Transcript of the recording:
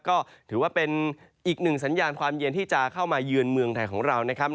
ก็ถือว่าเป็นอีกหนึ่งสัญญาณความเย็นที่จะเข้ามาเยือนเมืองไทยของเรานะครับ